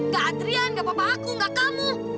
gak adrian gak papa aku gak kamu